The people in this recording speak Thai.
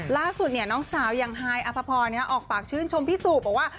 ล่าสุดเนี่ยน้องสาวยังหายอภพรเนี่ยออกปากชื่นชมพี่สุบบอกว่า